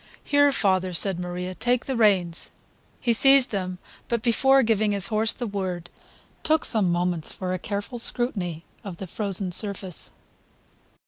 "Here, father," said Maria, "take the reins!" He seized them, but before giving his horse the word, took some moments for a careful scrutiny of the frozen surface.